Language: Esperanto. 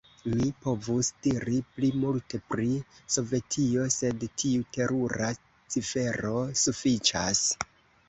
Mi povus diri pli multe pri Sovetio, sed tiu terura cifero sufiĉas.